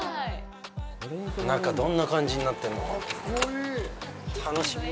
中、どんな感じになってるのか楽しみ。